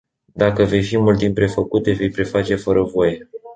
Dacă vei fi mult timp prefăcut, te vei preface fără voie.